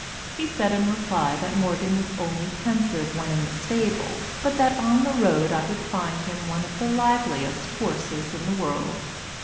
He said in reply, that Morgan was only pensive when in the stable, but that on the road I would find him one of the liveliest horses in the world.